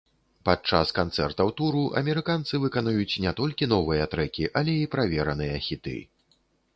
Падчас канцэртаў туру амерыканцы выканаюць не толькі новыя трэкі, але і правераныя хіты.